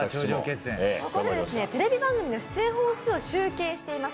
テレビ番組の出演本数を集計しています